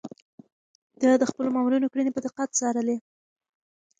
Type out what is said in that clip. ده د خپلو مامورينو کړنې په دقت څارلې.